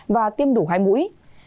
và tiêm đủ hai mũi